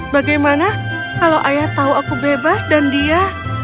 bagaimana kalau ayah tahu aku bebas dan dia